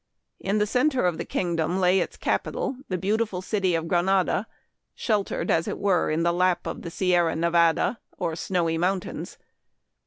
" In the center of the kingdom lay its capital, the beautiful city of Granada, sheltered, as it were, in the lap of the Sierra Nevada, or Snowy Mountains.